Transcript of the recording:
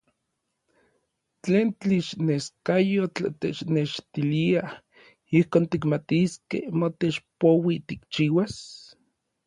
¿tlen tlixneskayotl technextilia ijkon tikmatiskej motech poui tikchiuas?